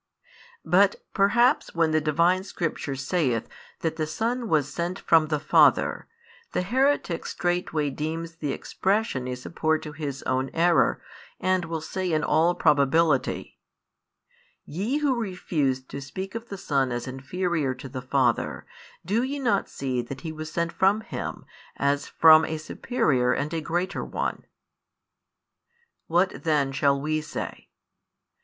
But perhaps when the Divine Scripture saith that the Son was sent from the Father, the heretic straightway deems the expression a support to his own error, and will say in all probability: "Ye who refuse to speak of the Son as inferior to the Father, do ye not see that He was sent from Him, as from a superior and a greater one?" What then shall we say?